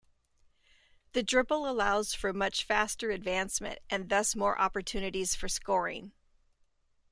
The dribble allows for much faster advancement and thus more opportunities for scoring.